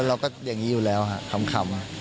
เราก็อย่างนี้อยู่แล้วครับขำ